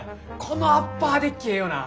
このアッパーデッキええよな。